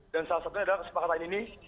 dan salah satunya adalah kesepakatan ini